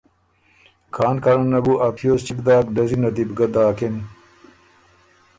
کان کانه بُو ا پیوز چِګ داک ډزی ن دی بو ګۀ داکِن۔